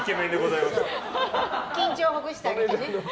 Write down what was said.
緊張をほぐしてあげてね。